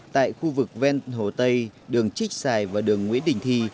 tại khu vực ven hồ tây đường trích xài và đường nguyễn đình thi